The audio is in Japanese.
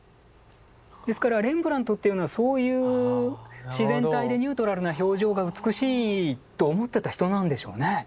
ですからレンブラントっていうのはそういう自然体でニュートラルな表情が美しいと思ってた人なんでしょうね。